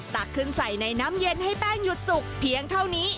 ตักขึ้นใส่ในน้ำเย็นให้แป้งหยุดสุกเพียงเท่านี้